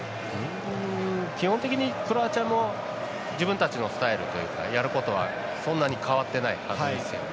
基本的にクロアチアも自分たちのスタイルというかやることは、そんなに変わってないはずですよね。